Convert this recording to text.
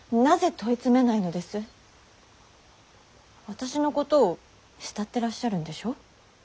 私のことを慕ってらっしゃるんでしょ。